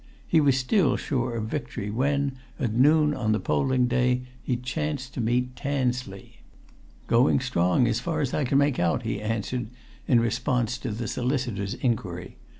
He was still sure of victory when, at noon on the polling day, he chanced to meet Tansley. "Going strong, as far as I can make out," he answered, in response to the solicitor's inquiry.